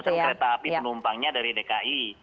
misalkan kereta api penumpangnya dari dki